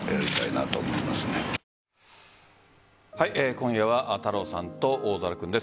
今夜は太郎さんと大空君です。